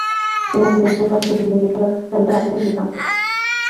Train আসছে জয়দেবপুর প্রান্ত থেকে, তিনি গেট ফেলার চাবিতে হাত দিলেন, গেট নামছে।